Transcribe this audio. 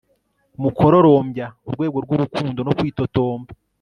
umukororombya urwego rwurukundo no kwitotomba